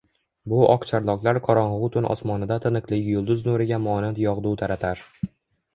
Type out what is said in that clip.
Bu oqcharloqlar qorong‘u tun osmonida tiniqligi yulduz nuriga monand yog‘du taratar